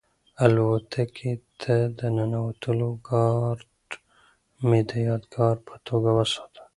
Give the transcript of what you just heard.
الوتکې ته د ننوتلو کارډ مې د یادګار په توګه وساته.